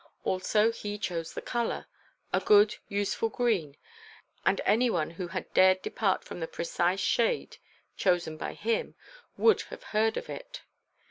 Also, he chose the colour: a good, useful green; and anyone who had dared depart from the precise shade chosen by him, would have heard of it.